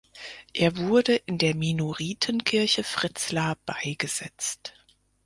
Er wurde in der Minoritenkirche Fritzlar beigesetzt.